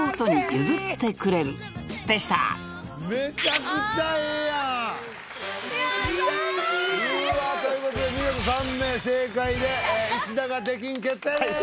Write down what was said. めちゃくちゃええやん優しいうわということで見事３名正解で石田が出禁決定です